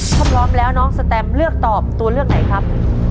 ถ้าพร้อมแล้วน้องสแตมเลือกตอบตัวเลือกไหนครับ